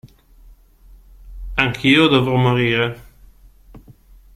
Anch'io dovrò morire.